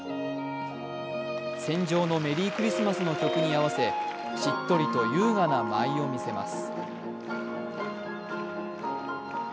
「戦場のメリークリスマス」の曲に合わせしっとりと優雅な舞を見せます。